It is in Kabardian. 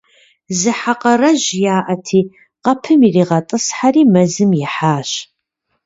Зы хьэ къарэжь яӏэти, къэпым иригъэтӏысхьэри, мэзым ихьащ.